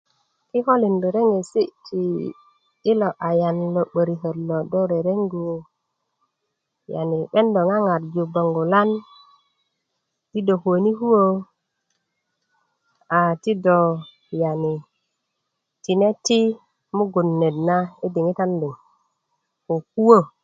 kikölin rereŋesi ti i lo ayan lo'böriköt lo do rerengu yani 'ben do ŋaŋarju bongolan ti do kuwöni kuwö a ti do yani tine ti mugun net na diŋitan liŋ ko kuwö